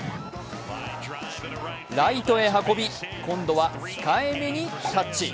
ライトへ運び、今度は控えめにタッチ。